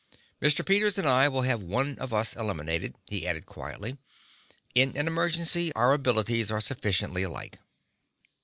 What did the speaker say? "Mr. Peters and I will also have one of us eliminated," he added quietly. "In an emergency, our abilities are sufficiently alike."